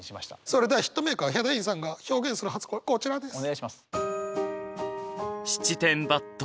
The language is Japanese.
それではヒットメーカーヒャダインさんが表現する初恋こちらです。